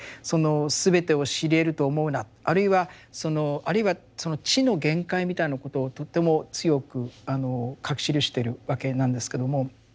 その「すべてを知りえると思うな」あるいはその「知の限界」みたいなことをとても強く書き記してるわけなんですけども。